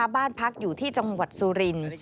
บ้านพักอยู่ที่จังหวัดสุรินทร์